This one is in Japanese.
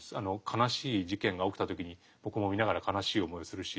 悲しい事件が起きた時に僕も見ながら悲しい思いをするし。